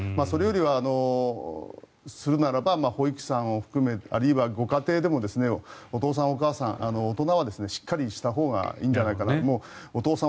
それよりは、するならば保育士さんを含めあるいはご家庭でもお父さん、お母さん大人はしっかりしたほうがいいんじゃないかと。